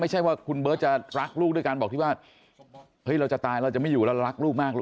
ไม่ใช่ว่าคุณเบิร์ตจะรักลูกด้วยการบอกที่ว่าเฮ้ยเราจะตายเราจะไม่อยู่แล้วเรารักลูกมาก